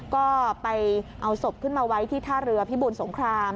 ก็ไปเอาศพขึ้นมาไว้ที่ท่าเรือพิบูรสงคราม